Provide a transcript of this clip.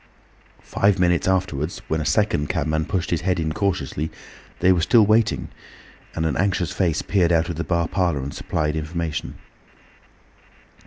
Five minutes afterwards when a second cabman pushed his head in cautiously, they were still waiting, and an anxious face peered out of the bar parlour and supplied information.